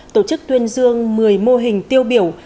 tổ chức tuyên dương một mươi mô hình tiêu biểu